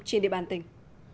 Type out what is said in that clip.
trên địa bàn tỉnh